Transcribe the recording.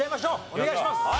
お願いします！